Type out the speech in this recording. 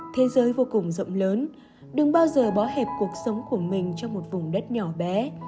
thế giới vô cùng rộng lớn đừng bao giờ bó hẹp cuộc sống của mình trong một vùng đất nhỏ bé